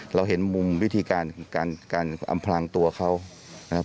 เราเห็นมุมวิธีการการอำพลางตัวเขานะครับ